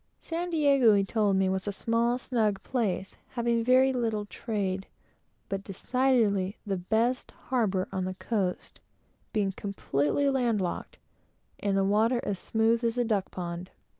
San Diego, he told me, was a small, snug place, having very little trade, but decidedly the best harbor on the coast, being completely land locked, and the water as smooth as a duck pond.